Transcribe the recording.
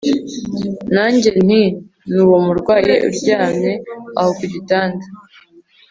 nanjye nti nyine nuwo murwayi uryamye aho kugitanda